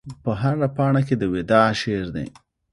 په هره پاڼه کې د وداع شعر دی